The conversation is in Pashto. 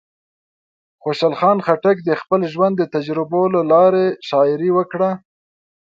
خوشحال خان خټک د خپل ژوند د تجربو له لارې شاعري وکړه.